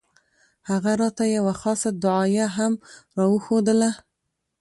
هغه راته يوه خاصه دعايه هم راوښووله.